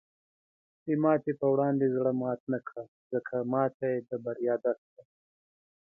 د ماتې په وړاندې زړۀ مات نه کړه، ځکه ماتې د بریا درس دی.